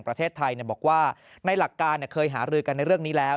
ประเทศไทยบอกว่าในหลักการเคยหารือกันในเรื่องนี้แล้ว